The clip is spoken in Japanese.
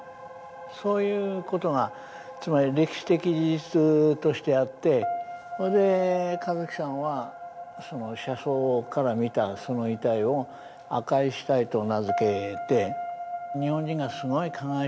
そういう事がつまり歴史的事実としてあってそれで香月さんはその車窓から見たその遺体を「赤い屍体」と名付けて。